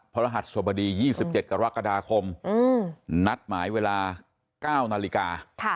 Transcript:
พระหัสสวบดียี่สิบเจ็ดกรกฎาคมอืมนัดหมายเวลาเก้านาฬิกาค่ะ